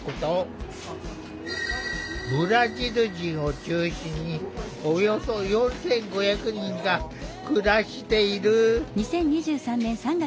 ブラジル人を中心におよそ４，５００人が暮らしている。